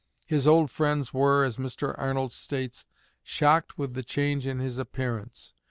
His old friends were, as Mr. Arnold states, "shocked with the change in his appearance.